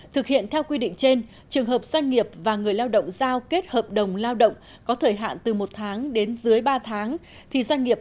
thực hiện theo quy định trên trường hợp doanh nghiệp và người lao động giao kết hợp đồng lao động có thời hạn từ một tháng đến dưới ba tháng